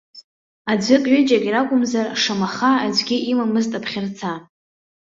Аӡәык, ҩыџьак ракәымзар, шамаха, аӡәгьы имамызт аԥхьарца.